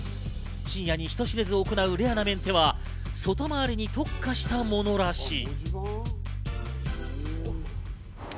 深夜に人知れず行うレアなメンテは外周りに特化したものらしい。